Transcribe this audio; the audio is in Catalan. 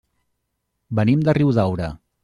Venim de Riudaura.